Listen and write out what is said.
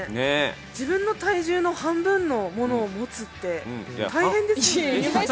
自分の体重の半分のものを持つって大変ですよね。